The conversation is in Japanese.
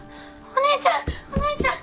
お姉ちゃんお姉ちゃん！